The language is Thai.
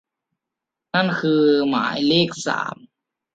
นั่นคือหมายเลขสาม